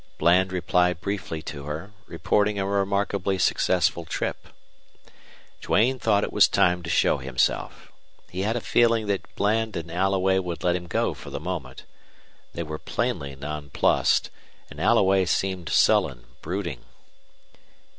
Bland replied briefly to her, reporting a remarkably successful trip. Duane thought it time to show himself. He had a feeling that Bland and Alloway would let him go for the moment. They were plainly non plussed, and Alloway seemed sullen, brooding.